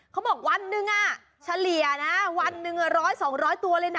เขาบอกวันหนึ่งอ่ะเฉลี่ยนะวันหนึ่งอ่ะร้อยสองร้อยตัวเลยนะ